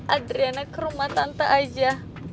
adriana ke rumah tante